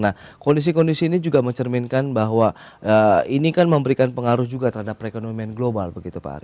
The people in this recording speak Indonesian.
nah kondisi kondisi ini juga mencerminkan bahwa ini kan memberikan pengaruh juga terhadap perekonomian global begitu pak ari